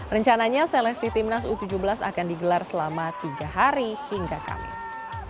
rencananya seleksi timnas u tujuh belas akan digelar selama tiga hari hingga kamis